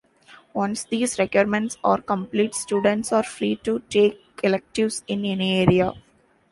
Once these requirements are complete, students are free to take electives in any area.